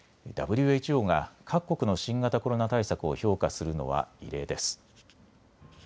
ＷＨＯが各国の新型コロナ対策を評価するのは異例です。